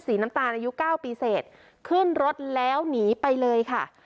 สีน้ำตาลอายุ๙ปีเศษขึ้นรถแล้วหนีไปเลยค่ะ